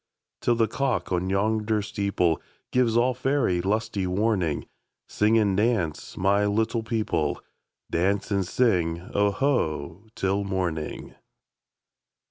Till the cock on yonder steepleGives all faery lusty warning, Sing and dance, my little people,—Dance and sing "Oho" till morning!